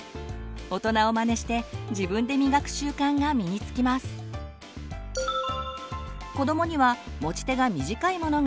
大人をまねして自分でみがく習慣が身に付きます。